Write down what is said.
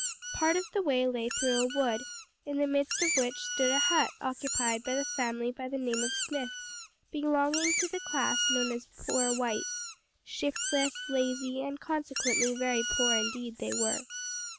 Part of the way lay through a wood, in the midst of which stood a hut occupied by a family by the name of Smith, belonging to the class known as "poor whites"; shiftless, lazy, and consequently very poor indeed, they were.